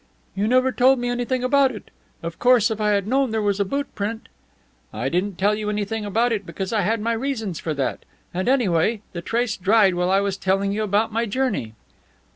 "You never told me anything about it. Of course if I had known there was a boot print..." "I didn't tell you anything about it because I had my reasons for that, and, anyway, the trace dried while I was telling you about my journey."